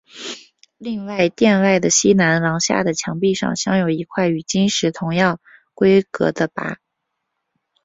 另在殿外的西南廊下的墙壁上镶有一块与经石同样规格的跋。